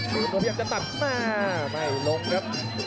มือโมเฮียมจะตัดมาไม่ลงครับ